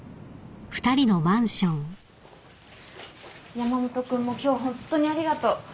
山本君も今日ホントにありがとう。